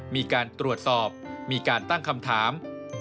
มีการตรวจสอบมีการตั้งคำถาม